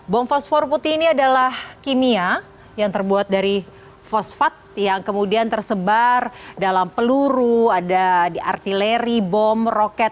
bom fosfor putih ini adalah kimia yang terbuat dari fosfat yang kemudian tersebar dalam peluru ada di artileri bom roket